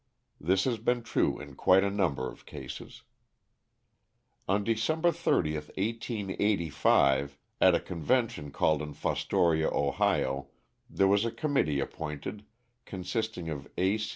This has been true in quite a number of cases. On December 30, 1885, at a convention called in Fos toria, Ohio, there was a committee appointed, consisting of A.